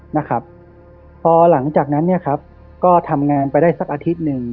นะครับพอหลังจากนั้นเนี่ยครับก็ทำงานไปได้สักอาทิตย์หนึ่ง